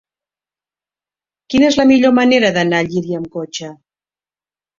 Quina és la millor manera d'anar a Llíria amb cotxe?